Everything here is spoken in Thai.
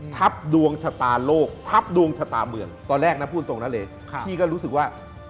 ทับดวงชะตาโลกทับดวงชะตาเมืองตอนแรกนะพูดตรงนั้นเลยพี่ก็รู้สึกว่า